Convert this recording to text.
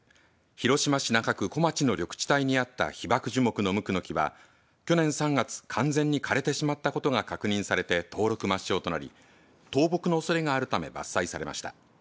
広島市中区小町の緑地体にあった被爆樹木のムクノキは去年３月完全に枯れてしまったことが確認されて登録抹消となり倒木のおそれがあるため伐採されました。